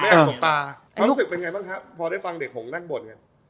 ความรู้สึกเป็นไงบ้างครับพอได้ฟังเด็กของนั่งบท